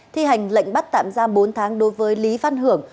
thi hành lệnh bắt tạm giam bốn tháng đối với lý văn hưởng